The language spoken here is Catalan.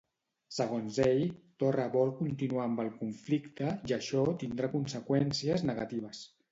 Segons ell, Torra vol continuar amb el conflicte i això tindrà conseqüències negatives.